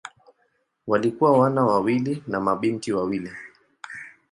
Walikuwa wana wawili na mabinti wawili.